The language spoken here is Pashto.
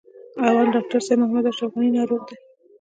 اول: ډاکټر صاحب محمد اشرف غني ناروغ دی.